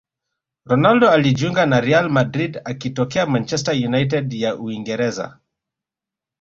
ronaldo alijiunga na real madrid akitokea manchester united ya uingereza